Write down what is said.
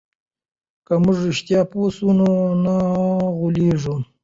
که موږ رښتیا پوه سو نو نه غولېږو.